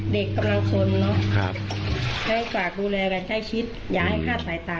เด็กกำลังชนเนอะแห้งฝากดูแลแก้ชิดอย่าให้ฆาตปลายตา